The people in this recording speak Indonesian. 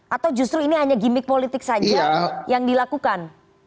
atau justru ini hanya gimmick politik saja yang dilakukan